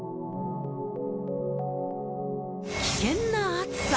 危険な暑さ。